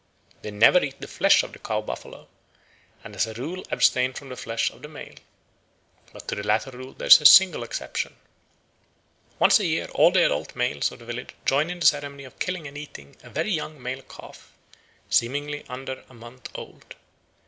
They never eat the flesh of the cow buffalo, and as a rule abstain from the flesh of the male. But to the latter rule there is a single exception. Once a year all the adult males of the village join in the ceremony of killing and eating a very young male calf seemingly under a month old.